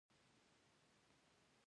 طلا د افغانستان د طبیعت برخه ده.